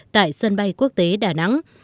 tại sân bay quốc tế đà nẵng